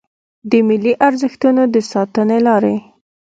د ملي ارزښتونو د ساتنې لارې